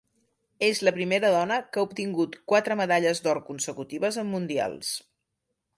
És la primera dona que ha obtingut quatre medalles d'or consecutives en mundials.